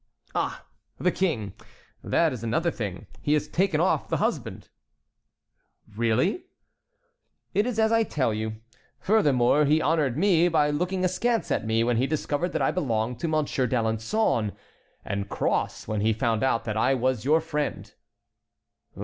"Ah! the King. That is another thing. He has taken off the husband." "Really?" "It is as I tell you. Furthermore, he honored me by looking askance at me when he discovered that I belonged to Monsieur d'Alençon, and cross when he found out that I was your friend."